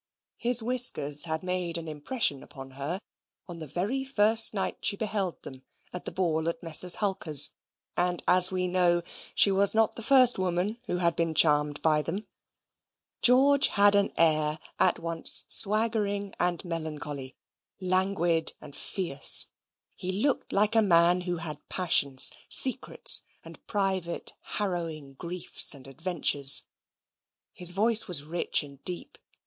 His whiskers had made an impression upon her, on the very first night she beheld them at the ball at Messrs. Hulkers; and, as we know, she was not the first woman who had been charmed by them. George had an air at once swaggering and melancholy, languid and fierce. He looked like a man who had passions, secrets, and private harrowing griefs and adventures. His voice was rich and deep.